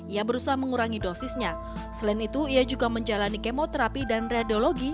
ia berusaha mengurangi dosisnya selain itu ia juga menjalani kemoterapi dan radiologi